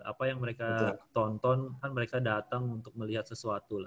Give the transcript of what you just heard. apa yang mereka tonton kan mereka datang untuk melihat sesuatu lah